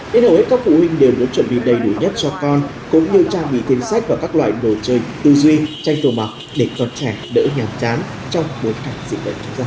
nên hầu hết các phụ huynh đều muốn chuẩn bị đầy đủ nhất cho con cũng như trang bị thiên sách và các loại đồ chơi tư duy tranh thủ mặc để con trẻ đỡ nhảm chán trong bối cảnh dị bệnh chúng ta